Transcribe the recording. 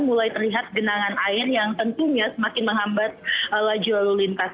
mulai terlihat genangan air yang tentunya semakin menghambat laju lalu lintas